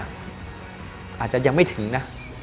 อาจจะยังไม่ถึงนะ